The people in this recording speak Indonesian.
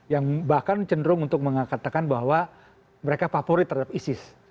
yang bahkan cenderung untuk mengatakan bahwa mereka favorit terhadap isis